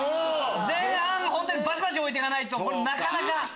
前半バシバシ置いてかないとなかなか！